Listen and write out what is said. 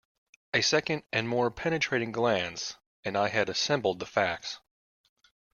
A second and more penetrating glance and I had assembled the facts.